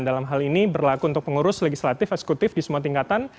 dalam hal ini berlaku untuk pengurus legislatif eksekutif di semua tingkatan